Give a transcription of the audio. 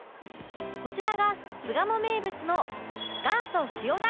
こちらが巣鴨名物の